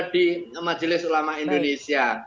di majelis ulama indonesia